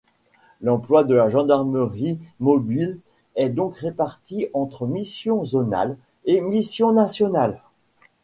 L'emploi de la gendarmerie mobile est donc réparti entre missions zonales et missions nationales.